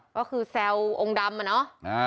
ต้องคือแซวต์ว่าวงดำอ่ะเนาะ